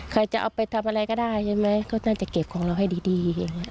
ใครจะเอาไปทำอะไรก็ได้ใช่ไหมก็น่าจะเก็บของเราให้ดีอย่างนี้